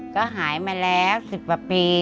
ก็หายมาแล้วสิบประปี